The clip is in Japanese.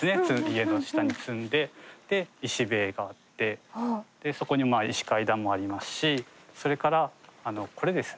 家の下に積んで石塀があってそこに石階段もありますしそれからこれですね